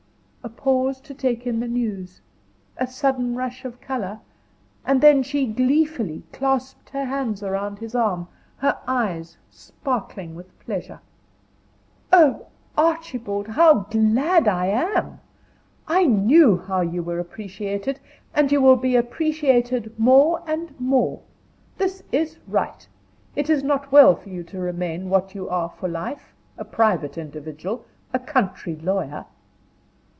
A pause to take in the news; a sudden rush of color, and then she gleefully clasped her hands round his arm, her eyes sparkling with pleasure. "Oh, Archibald, how glad I am! I knew how you were appreciated, and you will be appreciated more and more. This is right; it was not well for you to remain what you are for life a private individual, a country lawyer."